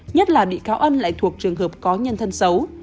nhất là bị cáo ân lại thuộc trường hợp có nhân thân xấu